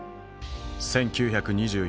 １９２４年。